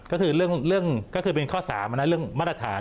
ก็คือเป็นข้อ๓เรื่องมาตรฐาน